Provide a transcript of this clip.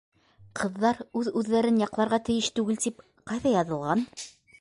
Ҡыҙҙар үҙ-үҙҙәрен яҡларға тейеш түгел тип ҡайҙа яҙылған?!